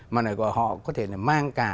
mà họ có thể là mang cả